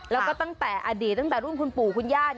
แล้วก็ตั้งแต่อดีตตั้งแต่รุ่นคุณปู่คุณย่า